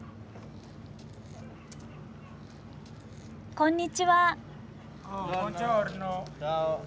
こんにちは。